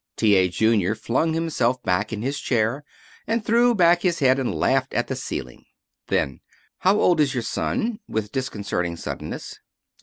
T. A. Junior flung himself back in his chair and threw back his head and laughed at the ceiling. Then, "How old is your son?" with disconcerting suddenness.